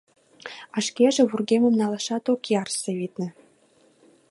А шкеже вургемым налашат ок ярсе, витне.